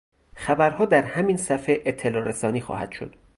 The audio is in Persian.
خبرها در همین صفحه اطلاعرسانی خواهد شد